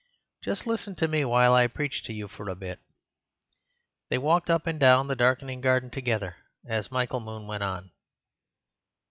Just listen to me while I preach to you for a bit." They walked up and down the darkening garden together as Michael Moon went on.